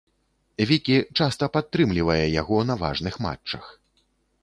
Вікі часта падтрымлівае яго на важных матчах.